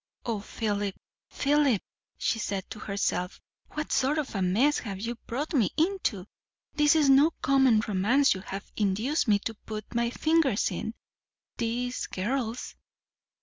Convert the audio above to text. O Philip, Philip! she said to herself, what sort of a mess have you brought me into! This is no common romance you have induced me to put my fingers in. These girls!